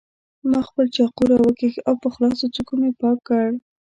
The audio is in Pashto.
ما خپل چاقو راوکېښ او په خلاصو څوکو مې پاک کړ.